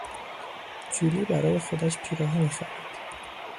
جولی برای خودش پیراهنی خرید.